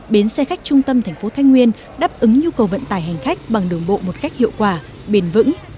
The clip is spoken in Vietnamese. bến xe khách trung tâm thành phố thái nguyên đáp ứng nhu cầu vận tải hành khách bằng đường bộ một cách hiệu quả bền vững